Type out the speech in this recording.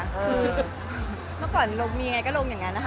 คือเมื่อก่อนลงมียังไงก็ลงอย่างนั้นนะคะ